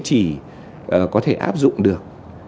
chỉ có thể áp dụng được